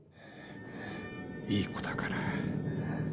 いい子だから。